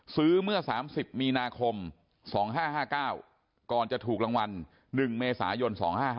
เมื่อ๓๐มีนาคม๒๕๕๙ก่อนจะถูกรางวัล๑เมษายน๒๕๕